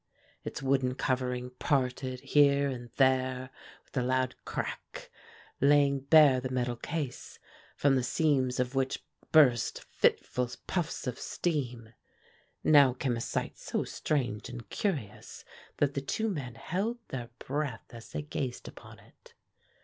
Its wooden covering parted here and there with a loud crack, laying bare the metal case, from the seams of which burst fitful puffs of steam. Now came a sight so strange and curious that the two men held their breath as they gazed upon it!